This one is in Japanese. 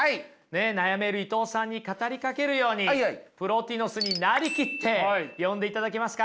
悩める伊藤さんに語りかけるようにプロティノスに成りきって読んでいただけますか。